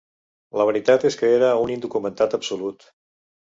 La veritat és que era un indocumentat absolut.